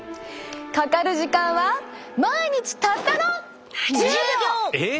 かかる時間は毎日たったのえっ！